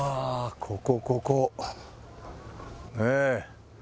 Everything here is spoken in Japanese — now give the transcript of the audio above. ここここええ